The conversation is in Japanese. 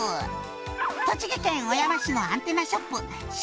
「栃木県小山市のアンテナショップ思